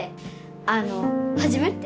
あの初めて。